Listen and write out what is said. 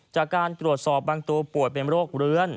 จากการตรวจสอบบางตัวป่วยเป็นโรคเลื้อน